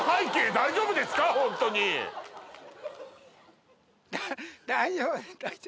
大丈夫ですかって。